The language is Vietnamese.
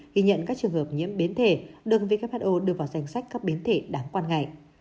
ghi nhận các trường hợp nhiễm biến thể đơn who đưa vào danh sách các biến thể đáng quan ngại